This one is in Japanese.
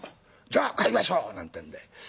じゃあ買いましょう」なんてんで。